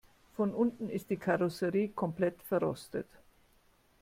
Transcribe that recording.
Von unten ist die Karosserie komplett verrostet.